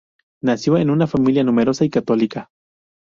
Nació en una familia numerosa y católica.